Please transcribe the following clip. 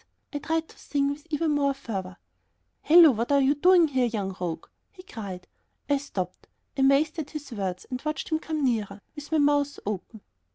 I tried to sing with even more fervor. "Hello, what are you doing here, young rogue?" he cried. I stopped, amazed at his words, and watched him coming nearer, with my mouth open.